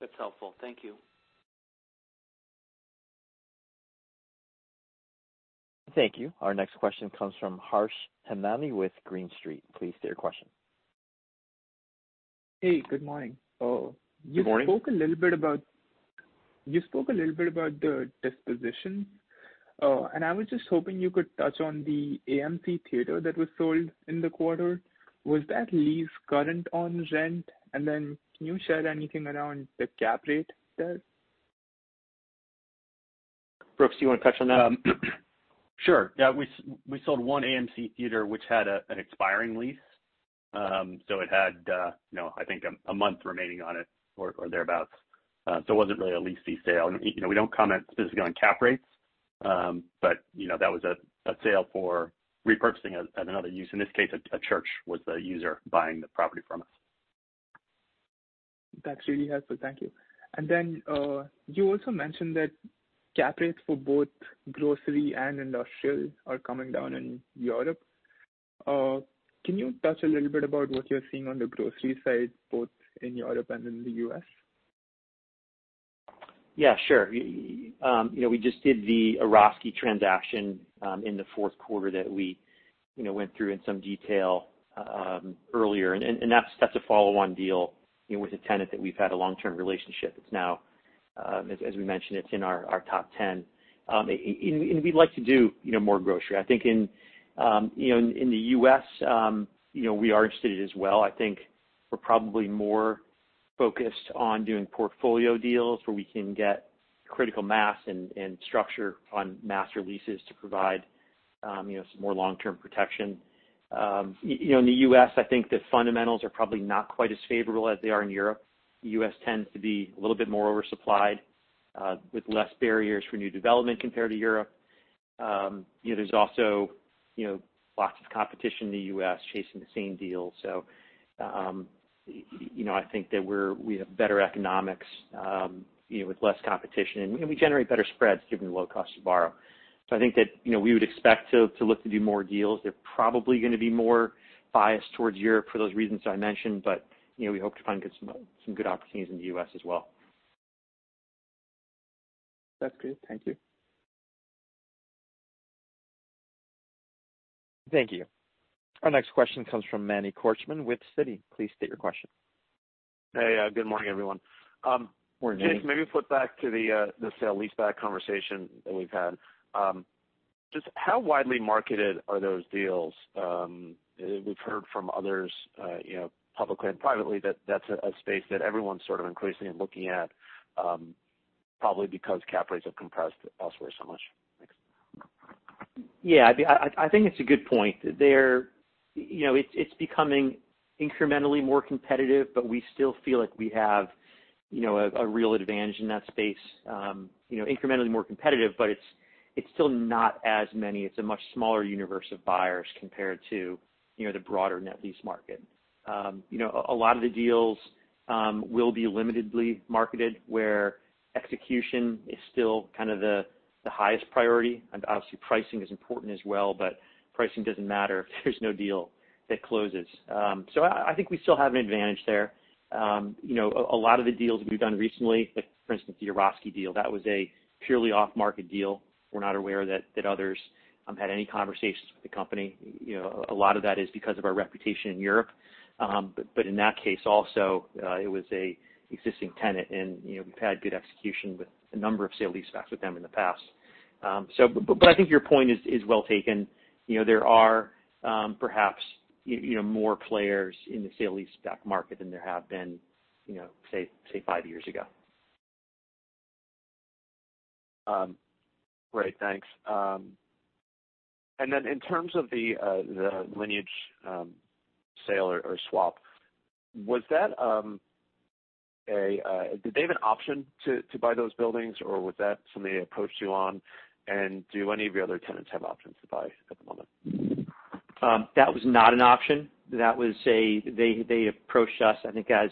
That's helpful. Thank you. Thank you. Our next question comes from Harsh Hemnani with Green Street. Please state your question. Hey, good morning. Good morning. You spoke a little bit about the disposition. I was just hoping you could touch on the AMC Theater that was sold in the quarter. Was that lease current on rent? Then can you share anything around the cap rate there? Brooks, do you want to touch on that? Sure. Yeah. We sold one AMC Theatre which had an expiring lease. It had, I think, a month remaining on it or thereabouts. It wasn't really a lease C sale. We don't comment specifically on cap rates. That was a sale for repurchasing another use. In this case, a church was the user buying the property from us. That's really helpful. Thank you. You also mentioned that cap rates for both grocery and industrial are coming down in Europe. Can you touch a little bit about what you're seeing on the grocery side, both in Europe and in the U.S.? Yeah, sure. We just did the Eroski transaction in the fourth quarter that we went through in some detail earlier. That's a follow-on deal with a tenant that we've had a long-term relationship. It's now, as we mentioned, it's in our top 10. We'd like to do more grocery. I think in the U.S. we are interested as well. I think we're probably more focused on doing portfolio deals where we can get critical mass and structure on master leases to provide some more long-term protection. In the U.S., I think the fundamentals are probably not quite as favorable as they are in Europe. The U.S. tends to be a little bit more oversupplied with less barriers for new development compared to Europe. There's also lots of competition in the U.S. chasing the same deals. I think that we have better economics with less competition, and we generate better spreads given the low cost to borrow. I think that we would expect to look to do more deals. They're probably going to be more biased towards Europe for those reasons I mentioned, but we hope to find some good opportunities in the U.S. as well. That's great. Thank you. Thank you. Our next question comes from Manny Korchman with Citi. Please state your question. Hey. Good morning, everyone. Morning. Jason, maybe flip back to the sale leaseback conversation that we've had. Just how widely marketed are those deals? We've heard from others, publicly and privately, that that's a space that everyone's sort of increasingly looking at, probably because cap rates have compressed elsewhere so much. Thanks. Yeah. I think it's a good point. It's becoming incrementally more competitive, but we still feel like we have a real advantage in that space. Incrementally more competitive, but it's still not as many. It's a much smaller universe of buyers compared to the broader net lease market. A lot of the deals will be limitedly marketed, where execution is still kind of the highest priority. Obviously pricing is important as well, but pricing doesn't matter if there's no deal that closes. I think we still have an advantage there. A lot of the deals we've done recently, like for instance, the Eroski deal. That was a purely off-market deal. We're not aware that others had any conversations with the company. A lot of that is because of our reputation in Europe. In that case also, it was an existing tenant, and we've had good execution with a number of sale leasebacks with them in the past. I think your point is well taken. There are perhaps more players in the sale leaseback market than there have been, say, five years ago. Great. Thanks. In terms of the Lineage sale or swap, did they have an option to buy those buildings, or was that something they approached you on? Do any of your other tenants have options to buy at the moment? That was not an option. They approached us. I think as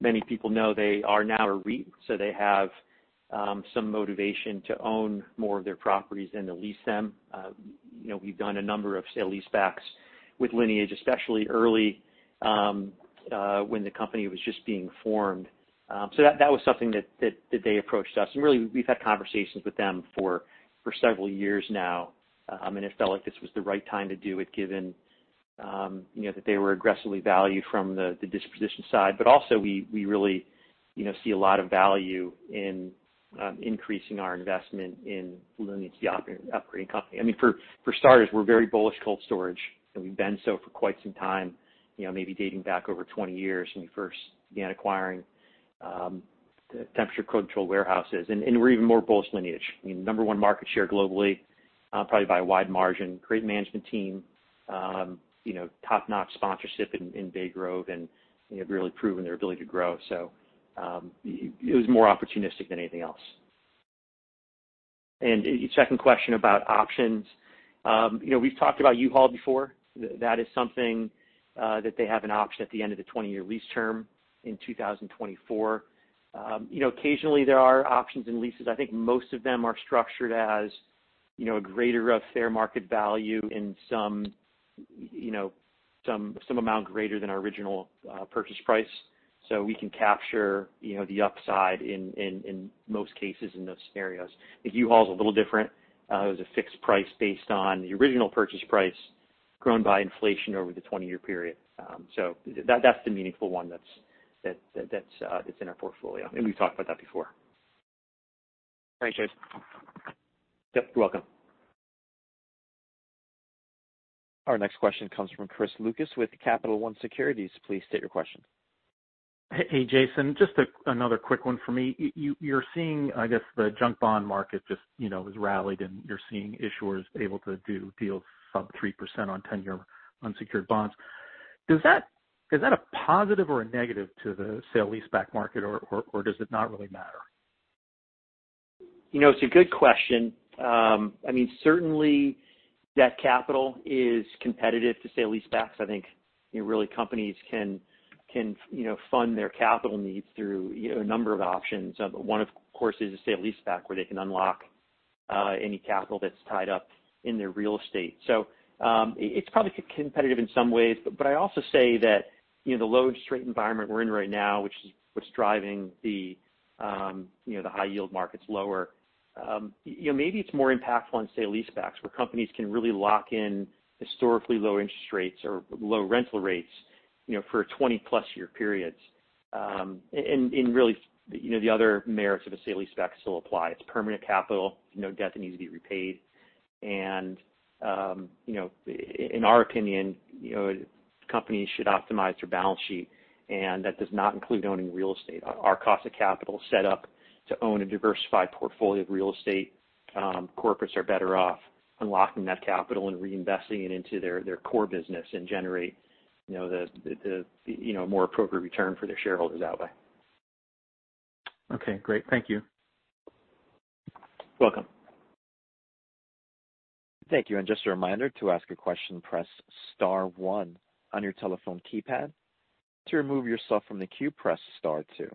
many people know, they are now a REIT, so they have some motivation to own more of their properties than to lease them. We've done a number of sale leasebacks with Lineage, especially early when the company was just being formed. That was something that they approached us. Really, we've had conversations with them for several years now, and it felt like this was the right time to do it given that they were aggressively valued from the disposition side. Also, we really see a lot of value in increasing our investment in Lineage, the operating company. For starters, we're very bullish cold storage, and we've been so for quite some time, maybe dating back over 20 years when we first began acquiring temperature-controlled warehouses. We're even more bullish Lineage. Number one market share globally, probably by a wide margin. Great management team. Top-notch sponsorship in Bay Grove, and they have really proven their ability to grow. It was more opportunistic than anything else. Your second question about options. We've talked about U-Haul before. That is something that they have an option at the end of the 20-year lease term in 2024. Occasionally, there are options in leases. I think most of them are structured as a greater of fair market value in some amount greater than our original purchase price. We can capture the upside in most cases in those scenarios. I think U-Haul is a little different. It was a fixed price based on the original purchase price grown by inflation over the 20-year period. That's the meaningful one that's in our portfolio, and we've talked about that before. Thanks, Jason. Yep. You're welcome. Our next question comes from Chris Lucas with Capital One Securities. Please state your question. Hey, Jason. Just another quick one for me. You're seeing, I guess, the junk bond market just has rallied, and you're seeing issuers able to do deals sub 3% on 10-year unsecured bonds. Is that a positive or a negative to the sale leaseback market, or does it not really matter? It's a good question. Certainly, debt capital is competitive to sale leasebacks. I think really companies can fund their capital needs through a number of options. One, of course, is a sale leaseback where they can unlock any capital that's tied up in their real estate. It's probably competitive in some ways, but I also say that the low interest rate environment we're in right now, which is what's driving the high yield markets lower. Maybe it's more impactful on sale leasebacks, where companies can really lock in historically low interest rates or low rental rates for 20-plus year periods. Really, the other merits of a sale leaseback still apply. It's permanent capital. No debt that needs to be repaid. In our opinion, companies should optimize their balance sheet, and that does not include owning real estate. Our cost of capital is set up to own a diversified portfolio of real estate. Corporates are better off unlocking that capital and reinvesting it into their core business and generate a more appropriate return for their shareholders that way. Okay, great. Thank you. Welcome. Thank you. Just a reminder, to ask a question, press star one on your telephone keypad. To remove yourself from the queue, press star two.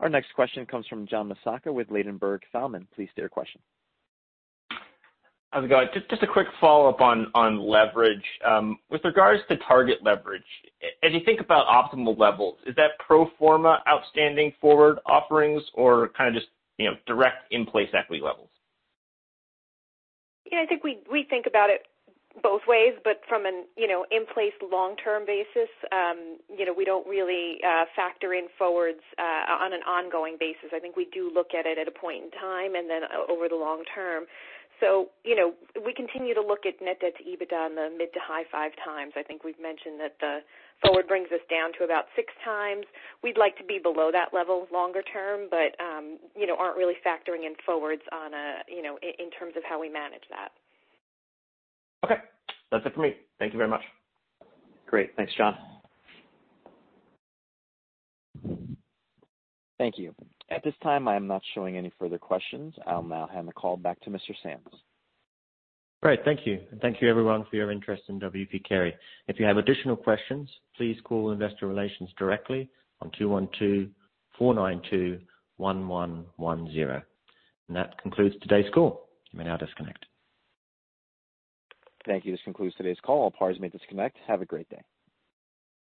Our next question comes from John Massocca with Ladenburg Thalmann. Please state your question. How's it going? Just a quick follow-up on leverage. With regards to target leverage, as you think about optimal levels, is that pro forma outstanding forward offerings or kind of just direct in-place equity levels? Yeah, I think we think about it both ways, from an in-place long-term basis, we don't really factor in forwards on an ongoing basis. I think we do look at it at a point in time over the long- term. We continue to look at net debt to EBITDA in the mid to high five times. I think we've mentioned that the forward brings us down to about six times. We'd like to be below that level longer- term, aren't really factoring in forwards in terms of how we manage that. Okay. That's it for me. Thank you very much. Great. Thanks, John. Thank you. At this time, I am not showing any further questions. I'll now hand the call back to Peter Sands. Great. Thank you. Thank you everyone for your interest in W. P. Carey. If you have additional questions, please call investor relations directly on 212-492-1110. That concludes today's call. You may now disconnect. Thank you. This concludes today's call. All parties may disconnect. Have a great day.